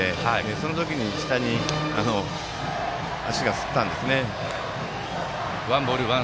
その時に下に足がすったんですね。